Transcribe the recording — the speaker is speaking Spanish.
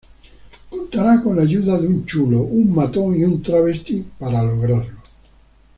Contará con la ayuda de un chulo, un matón y un travesti para lograrlo.